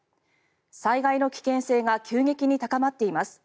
災害の危険性が急激に高まっています。